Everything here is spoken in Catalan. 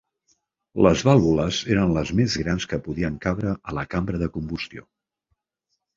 Las vàlvules eren les més grans que podien cabre a la cambra de combustió.